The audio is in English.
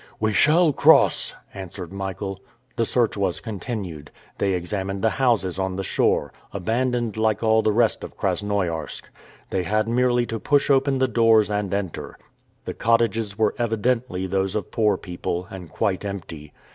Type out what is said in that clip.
"We shall cross!" answered Michael. The search was continued. They examined the houses on the shore, abandoned like all the rest of Krasnoiarsk. They had merely to push open the doors and enter. The cottages were evidently those of poor people, and quite empty.